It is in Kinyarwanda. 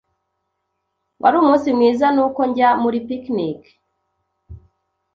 Wari umunsi mwiza nuko njya muri picnic.